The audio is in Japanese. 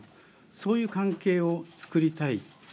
そういう関係をつくりたい。